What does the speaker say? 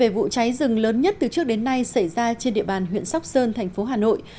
vụ cháy rừng lớn nhất từ trước đến nay xảy ra trên địa bàn huyện sóc sơn thành phố hà nội